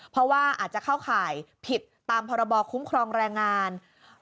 เพราะว่าอาจจะเข้าข่ายผิดตามพรบคุ้มครองแรงงาน